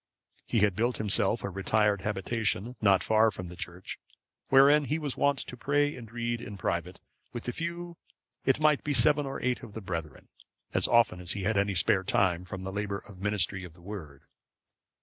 He had built himself a retired habitation not far from the church, wherein he was wont to pray and read in private, with a few, it might be seven or eight of the brethren, as often as he had any spare time from the labour and ministry of the Word.